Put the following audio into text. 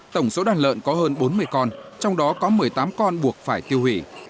tổng số đàn lợn có hơn bốn mươi con trong đó có một mươi tám con buộc phải tiêu hủy